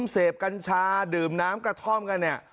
เสพกันชาดื่มน้ำกระท่อมกัน